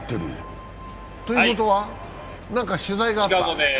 ということは何か取材があった？